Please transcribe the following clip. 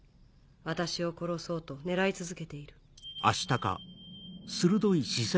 私を殺そうと狙い続けている。